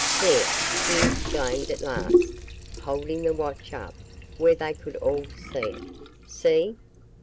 "There," he exclaimed at last, holding the watch up where they could all see it. "See!"